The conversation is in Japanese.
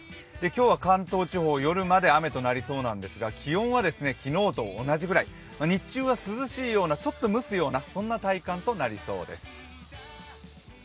今日は関東地方、夜まで雨となりそうなんですが、気温は昨日と同じくらい、日中は涼しいようなちょっと蒸すような、そんな体感となりそうです。